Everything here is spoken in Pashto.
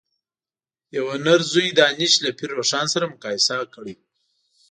یوه نر ځوی دانش له پير روښان سره مقايسه کړی و.